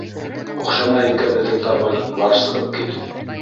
Оҡшамай икән беҙҙең табын, бар сығып кит!